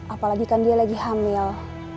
apalagi kan dia lagi hamil